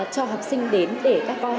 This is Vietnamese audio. cho học sinh đến để các con